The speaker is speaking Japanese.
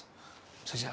それじゃあ。